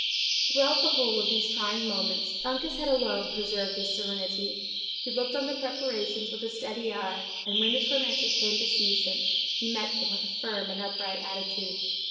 Throughout the whole of these trying moments, Uncas had alone preserved his serenity. He looked on the preparations with a steady eye, and when the tormentors came to seize him, he met them with a firm and upright attitude.